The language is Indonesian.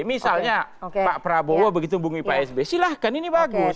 misalnya pak prabowo begitu hubungi pak sby silahkan ini bagus